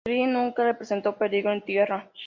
Kristy nunca representó peligro en tierra.